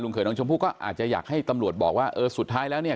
เคยน้องชมพู่ก็อาจจะอยากให้ตำรวจบอกว่าเออสุดท้ายแล้วเนี่ย